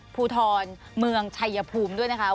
ภูทรเมืองชัยภูมิด้วยนะคะ